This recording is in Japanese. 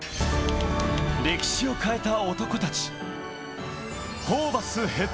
歴史を変えた男たち。